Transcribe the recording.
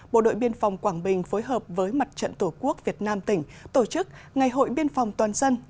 bộ đội biên phòng quảng bình phối hợp với mặt trận tổ quốc việt nam tỉnh tổ chức ngày hội biên phòng toàn dân